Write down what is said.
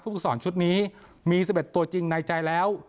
ฝึกสอนชุดนี้มี๑๑ตัวจริงในใจแล้ว